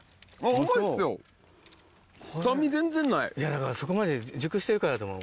だからそこまで熟してるからだと思う。